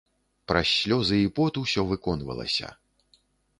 Праз слёзы і пот усё выконвалася.